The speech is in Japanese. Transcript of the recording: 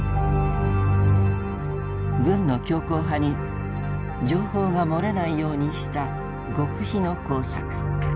軍の強硬派に情報が漏れないようにした極秘の工作。